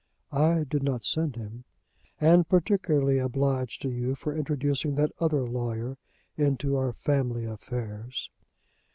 "I did not send him." "And particularly obliged to you for introducing that other lawyer into our family affairs."